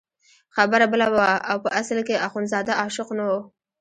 خبره بله وه او په اصل کې اخندزاده عاشق نه وو.